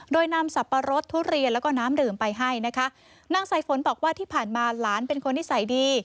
โดยนำสับปะรดทุเรียนแล้วก็น้ำดื่มไปให้นะคะนางสายฝนบอกว่าที่ผ่านมาหลานเป็นคนนิสัยดี